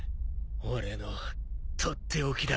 俺の取って置きだ。